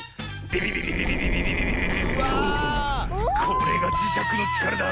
これがじしゃくのちからだ。